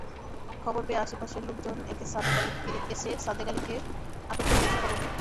খবর পেয়ে আশপাশের লোকজন এসে সাদেক আলীকে আটক করে পুলিশে খবর দেন।